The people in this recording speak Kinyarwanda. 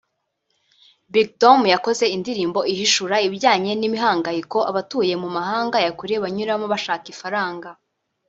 Big Dom yakoze indirimbo ihishura ibijyanye n’imihangayiko abatuye mu mahanga ya kure banyuramo bashaka ifaranga